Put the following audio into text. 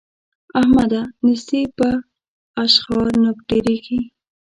احمده! نېستي په اشخار نه ډېرېږي.